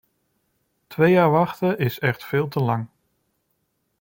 Twee jaar wachten is echt veel te lang.